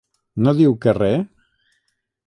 No diu que re?